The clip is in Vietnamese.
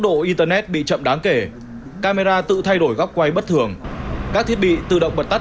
độ internet bị chậm đáng kể camera tự thay đổi góc quay bất thường các thiết bị tự động bật tắt